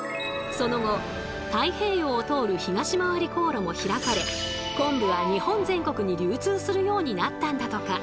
その後太平洋を通る東まわり航路も開かれ昆布は日本全国に流通するようになったんだとか。